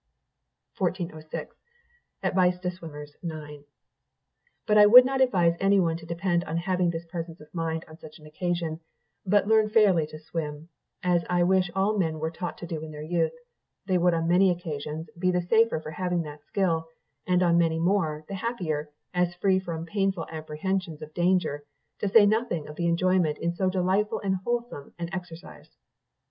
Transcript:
1406. continued... "But I would not advise any one to depend on having this presence of mind on such an occasion, but learn fairly to swim, as I wish all men were taught do in their youth; they would on many occasions, be the safer for having that skill; and on many more, the happier, as free from painful apprehensions of danger, to say nothing of the enjoyment in so delightful and wholesome an exercise.